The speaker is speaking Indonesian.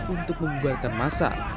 untuk membuarkan massa